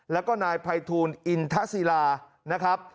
แล้วก็นายภัยทูลอินทศิลานะครับ